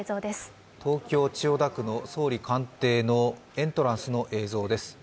東京・千代田区の総理官邸のエントランスの映像です。